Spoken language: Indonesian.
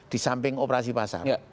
di samping operasi pasar